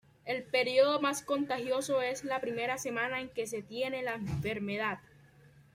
El periodo más contagioso es la primera semana en que se tiene la enfermedad.